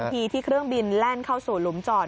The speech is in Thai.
ทีที่เครื่องบินแล่นเข้าสู่หลุมจอด